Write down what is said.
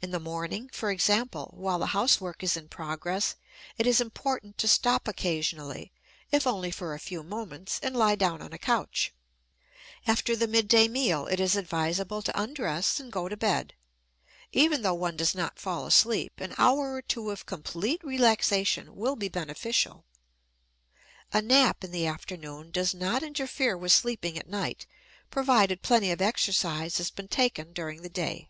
In the morning, for example, while the housework is in progress, it is important to stop occasionally, if only for a few moments, and lie down on a couch. After the midday meal it is advisable to undress and go to bed. Even though one does not fall asleep, an hour or two of complete relaxation will be beneficial. A nap in the afternoon does not interfere with sleeping at night provided plenty of exercise has been taken during the day.